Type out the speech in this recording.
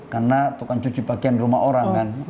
karena tukang cuci pakaian rumah orang kan